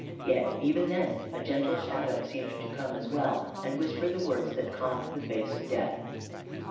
Yet even then, a gentle shadow seemed to come as well, and whisper the words that calmed the face of death.